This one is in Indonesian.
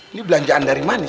ini belanjaan dari mana ini